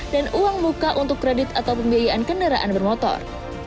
dan uang buka untuk kredit atau pembiayaan kendaraan bermotor